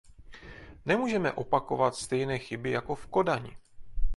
Nemůžeme opakovat stejné chyby jako v Kodani.